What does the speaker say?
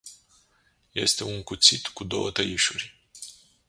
Este un cuțit cu două tăișuri.